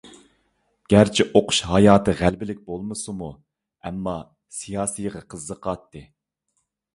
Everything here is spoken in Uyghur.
گەرچە ئوقۇش ھاياتى غەلىبىلىك بولمىسىمۇ، ئەمما سىياسىيغا قىزىقاتتى.